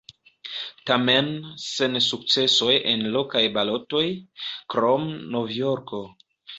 Tamen sen sukcesoj en lokaj balotoj, krom Nov-Jorko.